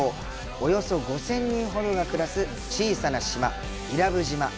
およそ５０００人ほどが暮らす小さな島、伊良部島。